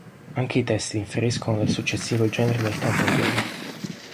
Anche i testi differiscono dal successivo genere del cantautore.